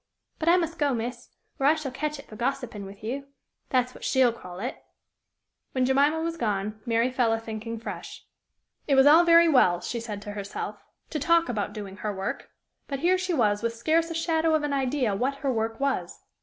But I must go, miss, or I shall catch it for gossiping with you that's what she'll call it." When Jemima was gone, Mary fell a thinking afresh. It was all very well, she said to herself, to talk about doing her work, but here she was with scarce a shadow of an idea what her work was!